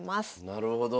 なるほど。